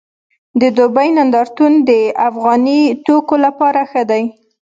د دوبۍ نندارتون د افغاني توکو لپاره ښه دی